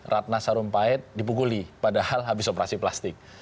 ratna sarumpait dipukuli padahal habis operasi plastik